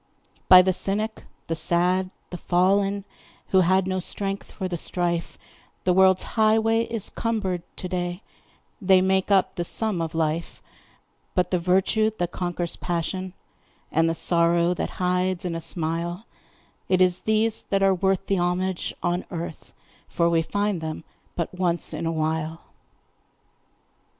By the cynic, the sad, the fallen, Who had no strength for the strife, The world's highway is cumbered to day They make up the sum of life; But the virtue that conquers passion, And the sorrow that hides in a smile It is these that are worth the homage on earth, For we find them but once in a while.